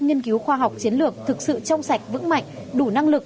nghiên cứu khoa học chiến lược thực sự trong sạch vững mạnh đủ năng lực